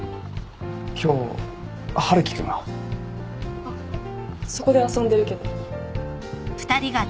今日春樹君は？あっそこで遊んでるけど。